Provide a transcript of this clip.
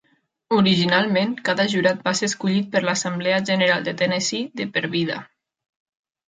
Originalment, cada jurat va ser escollit per l'Assemblea General de Tennessee de per vida.